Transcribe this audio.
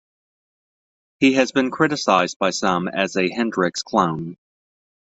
He has been criticized by some as a Hendrix clone.